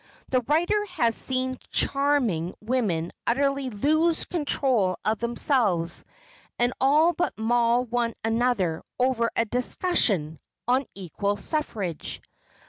The writer has seen charming women utterly lose control of themselves and all but maul one another over a "discussion" on equal suffrage.